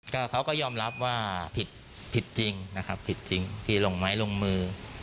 ก็เขาก็ยอมรับว่าผิดผิดจริงนะครับผิดจริงที่ลงไม้ลงมือ